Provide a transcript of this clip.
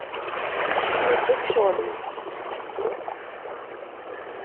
Mačči d ccɣel-iw!